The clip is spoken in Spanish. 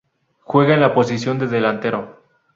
Juega en la posición de delantero.